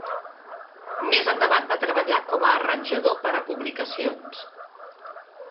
Més endavant va treballar com a arranjador per a publicacions.